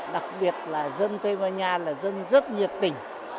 đặc biệt là dân tây ban nha là dân rất nhiệt tình